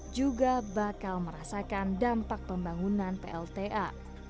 juga bakal merasakan dampak pembangunan plta